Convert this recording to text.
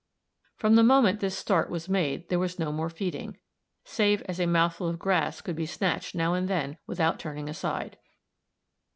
From the moment this start was made there was no more feeding, save as a mouthful of grass could be snatched now and then without turning aside.